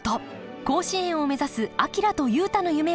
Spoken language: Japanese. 甲子園を目指す昭と雄太の夢を支えます